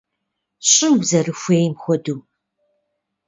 ЩӀы узэрыхуейм хуэдэу!